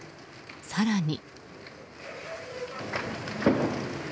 更に。